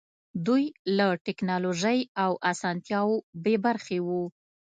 دوی له ټکنالوژۍ او اسانتیاوو بې برخې وو.